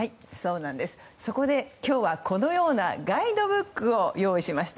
そこで、今日はこのようなガイドブックを用意しました。